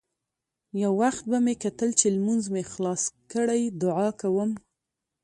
يو وخت به مې کتل چې لمونځ مې خلاص کړى دعا کوم.